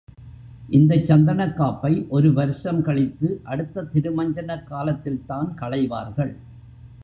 இந்தச் சந்தனக்காப்பை ஒரு வருஷம் கழித்து அடுத்த திருமஞ்சனக் காலத்தில்தான் களைவார்கள்.